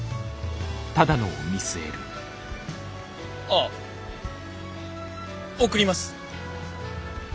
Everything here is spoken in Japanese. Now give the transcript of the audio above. あ送ります。